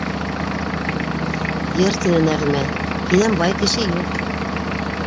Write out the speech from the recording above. Йыр, - тине Нәғимә. - һинән бай кеше юҡ.